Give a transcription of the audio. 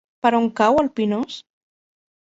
Per on cau el Pinós?